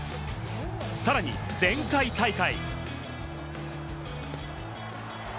さらに前回大会。